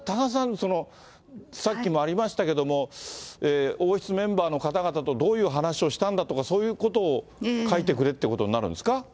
これは多賀さん、さっきもありましたけれども、王室メンバーの方々とどういう話をしたんだとか、そういうことを書いてくれってことになるんですか。